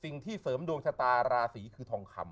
สิ่งที่เสริมดวงชะตาราศีคือทองคำ